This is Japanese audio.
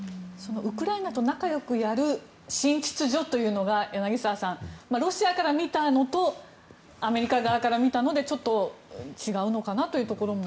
ウクライナと仲よくやる新秩序というのが柳澤さん、ロシアから見たのとアメリカ側から見たのでちょっと違うのかなというところも。